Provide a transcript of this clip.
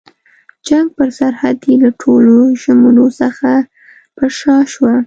د جنګ پر سرحد یې له ټولو ژمنو څخه پر شا شوه.